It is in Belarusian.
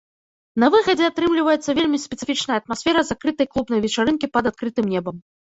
На выхадзе атрымліваецца вельмі спецыфічная атмасфера закрытай клубнай вечарынкі пад адкрытым небам.